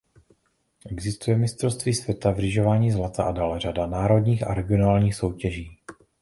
Existuje mistrovství světa v rýžování zlata a dále řada národních a regionálních soutěží.